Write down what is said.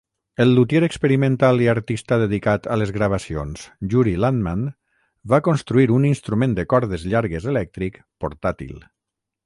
El lutier experimental i artista dedicat a les gravacions Yuri Landman va construir un instrument de cordes llargues elèctric portàtil.